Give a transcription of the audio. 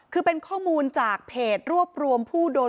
คือเป็นข้อมูลจากเพจรวบรวม